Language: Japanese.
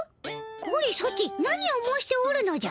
これソチ何を申しておるのじゃ？